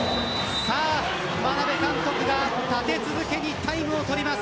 眞鍋監督が立て続けにタイムを取ります。